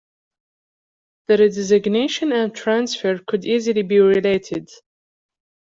The redesignation and transfer could easily be related.